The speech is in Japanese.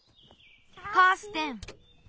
カーステン！